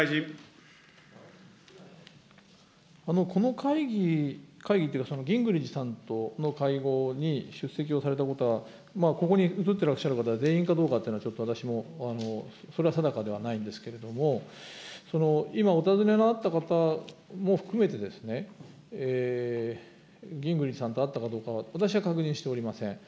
この会議、会議というか、ギングリッチさんとの会合に出席をされたことは、ここに写ってらっしゃる方、全員かどうかというのは、ちょっと私もそれは定かではないんですけれども、今、お尋ねのあった方も含めて、ギングリッチさんと会ったかは、私は確認しておりません。